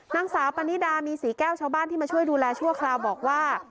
นางสาวปานิดามีศรีแก้วชาวบ้านที่มาช่วยดูแลชั่วคราวบอกว่า